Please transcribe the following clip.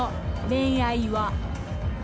恋愛は。